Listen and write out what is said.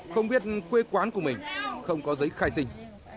không biết quê quán của mình không có giấy khai sinh